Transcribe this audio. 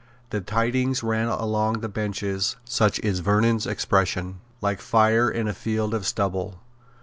The tidings ran along the benches such is Vernon's expression like fire in a field of stubble.